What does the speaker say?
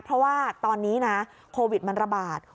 เพราะว่าตอนนี้นะโควิดมันระบาด